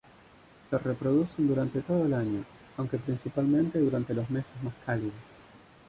Se reproducen durante todo el año, aunque principalmente durante los meses más cálidos.